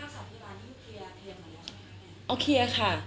ค่าสภิราณที่เคลียร์เคลียร์เหมือนกันไหม